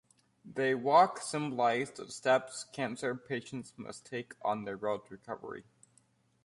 The walk symbolized the steps cancer patients must take on their road to recovery.